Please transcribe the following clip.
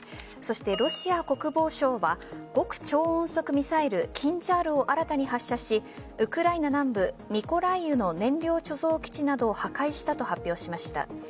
そしてロシア国防省は極超音速ミサイルキンジャールを新たに発射しウクライナ南部ミコライウの燃料貯蔵基地などを破壊したと発表しました。